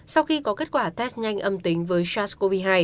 sau khi có kết quả test nhanh âm tính với sars cov hai